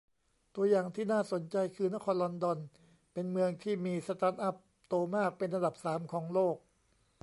ตัวอย่างที่น่าสนใจคือนครลอนดอน เป็นเมืองที่มีสตาร์ทอัพโตมากเป็นอันดับ สาม ของโลก